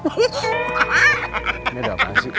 ini ada apaan sih